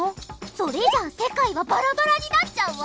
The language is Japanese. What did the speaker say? それじゃあせかいはバラバラになっちゃうわ！